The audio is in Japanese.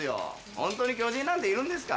ホントに巨人なんているんですか？